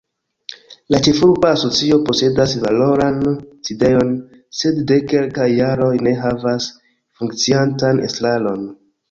La ĉefurba asocio posedas valoran sidejon, sed de kelkaj jaroj ne havas funkciantan estraron.